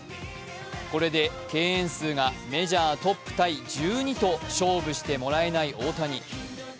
これで敬遠数がメジャートップタイ１２と、勝負してもらえない大谷。